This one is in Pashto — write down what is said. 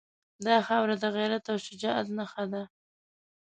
دا خاوره د غیرت او شجاعت نښه ده.